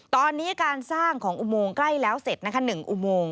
ตอนนี้การสร้างของอุโมงใกล้แล้วเสร็จนะคะ๑อุโมง